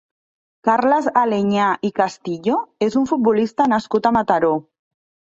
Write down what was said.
Carles Aleñá i Castillo és un futbolista nascut a Mataró.